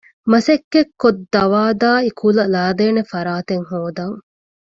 މަސައްކަތްކޮށް ދަވާދާއި ކުލަ ލައިދޭނެ ފަރާތެއް ހޯދަން